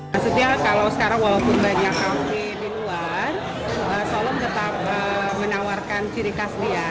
maksudnya kalau sekarang walaupun banyak kafe di luar solo tetap menawarkan ciri khas dia